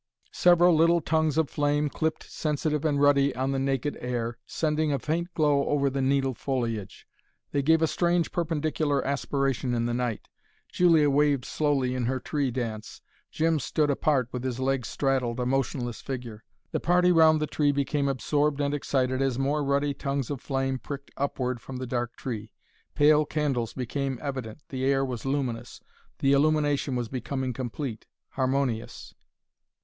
Several little tongues of flame clipped sensitive and ruddy on the naked air, sending a faint glow over the needle foliage. They gave a strange, perpendicular aspiration in the night. Julia waved slowly in her tree dance. Jim stood apart, with his legs straddled, a motionless figure. The party round the tree became absorbed and excited as more ruddy tongues of flame pricked upward from the dark tree. Pale candles became evident, the air was luminous. The illumination was becoming complete, harmonious.